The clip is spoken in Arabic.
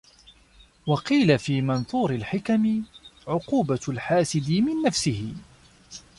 وَقِيلَ فِي مَنْثُورِ الْحِكَمِ عُقُوبَةُ الْحَاسِدِ مِنْ نَفْسِهِ